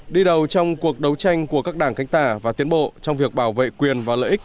đi đầu trong cuộc đấu tranh của các đảng cánh tả và tiến bộ trong việc bảo vệ quyền và lợi ích